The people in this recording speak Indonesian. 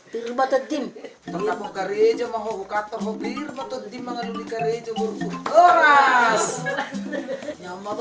semoga connection dan kakakmu semua berbaik di jepang